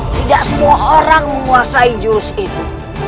tidak semua orang menguasai jurus itu